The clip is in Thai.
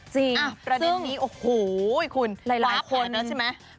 จริงประเด็นนี้โอ้โฮคุณหลายคนว๊าบแผนแล้วใช่ไหม